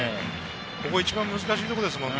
ここ一番難しいところですからね。